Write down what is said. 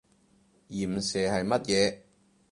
鹽蛇係乜嘢？